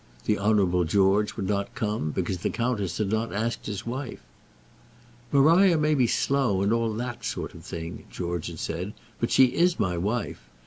The Honourable George would not come, because the countess had not asked his wife. "Maria may be slow, and all that sort of thing," George had said; "but she is my wife.